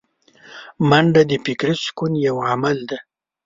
منډه د فکري سکون یو عمل دی